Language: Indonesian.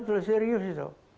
kita anggap serius itu